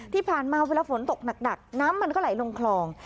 ที่ผ่านมาเวลาฝนตกหนักน้ำมันก็ไหลลงคลอง